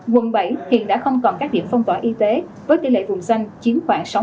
quận bảy hiện đã không còn các điểm phong tỏa y tế với tỷ lệ vùng xanh chiếm khoảng sáu mươi